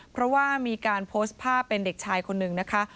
เพราะว่ามีการโพสต์ภาพเป็นเด็กชายคนหนึ่งนะคะ